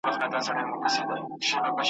د همدغه سيمي د مشاهيرو